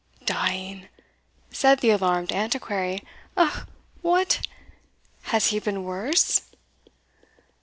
"Dying!" said the alarmed Antiquary, "eh! what? has he been worse?"